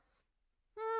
うん。